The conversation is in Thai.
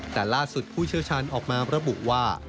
แต่ล่าสุดผู้เชี่ยวชาญออกมาระบุว่า